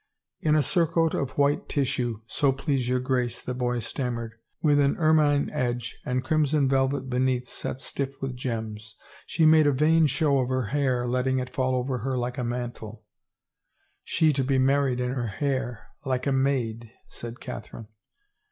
" In a surcoat of white tissue, so please your Grace," the boy stammered, " with an ermine edge and crimson velvet beneath set stiff with gems. She made a vain show of her hair letting it fall over her like a mantle —"" She to be married in her hair — like a maid I " said Catherine.